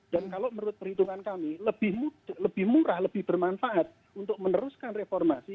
kalau menurut perhitungan kami lebih murah lebih bermanfaat untuk meneruskan reformasi